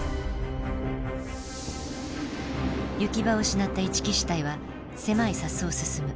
行き場を失った一木支隊は狭い砂州を進む。